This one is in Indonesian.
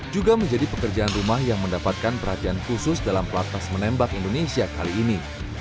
juga menjadi pekerjaan rumah yang mendapatkan perhatian khusus dalam pelatnas menembak indonesia kali ini